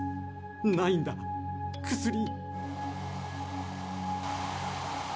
ないんだ薬。